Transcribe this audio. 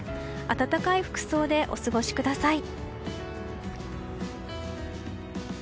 暖かい服装でお過ごしください。